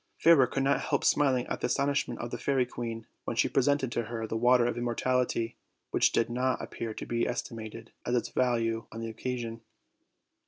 Fairer could not help smiling at the astonishment of the fairy queen when she presented to her the water of immortality, which did not appear to be estimated at its value on the occasion.